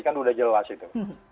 kan sudah jelas itu